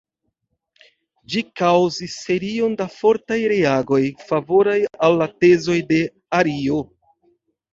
Ĝi kaŭzis serion da fortaj reagoj favoraj al la tezoj de Ario.